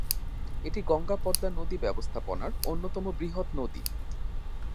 এটি গঙ্গা-পদ্মা নদী ব্যবস্থাপনার অন্যতম বৃহৎ নদী।